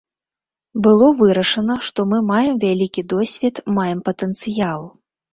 Было вырашана, што мы маем вялікі досвед, маем патэнцыял.